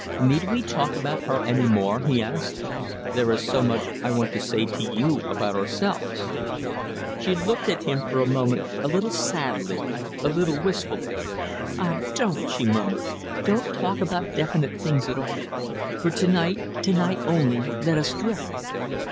"Need we talk about her any more?" he asked. "There is so much I want to say to you about ourselves." She looked at him for a moment, a little sadly, a little wistfully. "Ah! don't," she murmured. "Don't talk about definite things at all. For to night to night only, let us drift!"